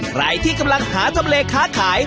ใครที่กำลังหาทำเลค้าขาย